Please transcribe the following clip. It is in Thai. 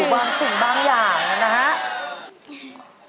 บางสิ่งบางอย่างนะครับ